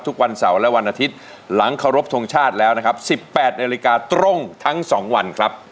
ทุกวันเสาร์และวันอาทิตย์หลังเคารพทงชาติแล้วนะครับ๑๘นาฬิกาตรงทั้ง๒วันครับ